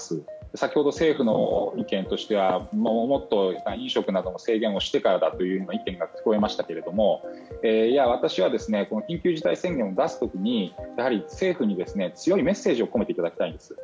先ほど政府の意見としては、もっと飲食などの制限をしてからだという意見が聞こえましたが私は緊急事態宣言を出す時にやはり政府に強いメッセージを込めていただきたいんです。